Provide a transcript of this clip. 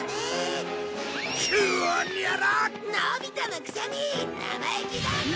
のび太のくせに生意気だぞ！